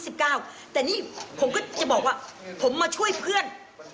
แต่นี่ผมก็จะบอกว่าผมมาช่วยเพื่อน